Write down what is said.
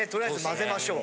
混ぜましょう。